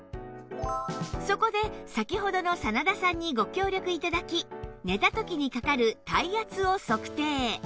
そこで先ほどの真田さんにご協力頂き寝た時にかかる体圧を測定